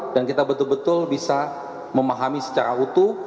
dan kita betul betul bisa memahami secara utuh